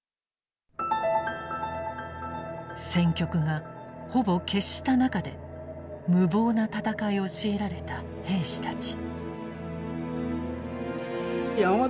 戦局がほぼ決した中で無謀な戦いを強いられた兵士たち。